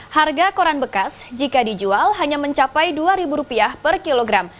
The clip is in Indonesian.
harga koran bekas jika dijual hanya mencapai rp dua per kilogram